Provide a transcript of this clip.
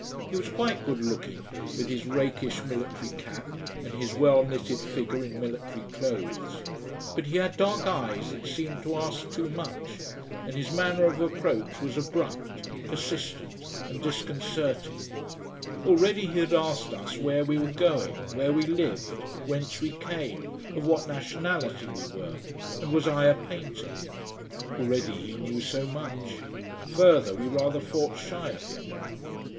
He was quite good looking, with his rakish military cap and his well knitted figure in military clothes. But he had dark eyes that seemed to ask too much, and his manner of approach was abrupt, persistent, and disconcerting. Already he had asked us where we were going, where we lived, whence we came, of what nationality we were, and was I a painter. Already he knew so much. Further we rather fought shy of him.